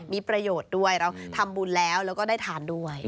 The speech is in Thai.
มีประโยชน์ด้วยเราทำบุญแล้วแล้วก็ได้ทานด้วย